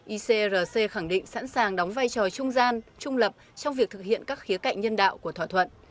icrc khẳng định sẵn sàng đóng vai trò trung gian trung lập trong việc thực hiện các khía cạnh nhân đạo của thỏa thuận